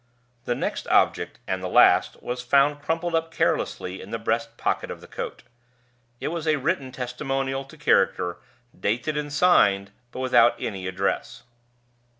The next object, and the last, was found crumpled up carelessly in the breast pocket of the coat. It was a written testimonial to character, dated and signed, but without any address.